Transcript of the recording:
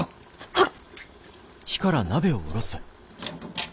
はっ！